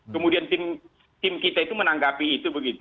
kemudian tim kita itu menanggapi itu begitu